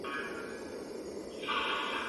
د ښوونکو د ستونزو د حل لپاره د حکومت هڅې کافي نه وي.